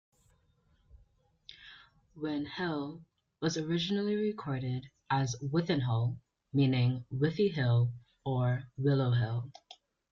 Win Hill was originally recorded as "Wythinehull", meaning "Withy Hill" or "Willow Hill".